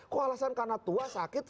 kok alasan karena tua sakit